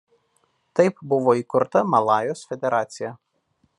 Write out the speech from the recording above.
Taip buvo įkurta Malajos Federacija.